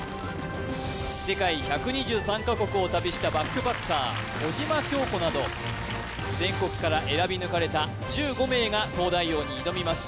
世界１２３か国を旅したバックパッカー小島京古など全国から選び抜かれた１５名が東大王に挑みます